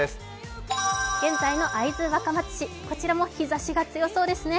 現在の会津若松市、こちらも日ざしが強そうですね。